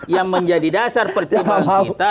yang menjadi dasar pertimbangan kita